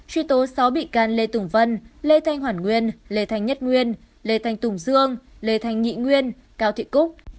truy tố sáu bị can lê tùng vân lê thanh hoàn nguyên lê thanh nhất nguyên lê thanh tùng dương lê thanh nhị nguyên cao thị cúc